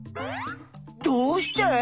どうして？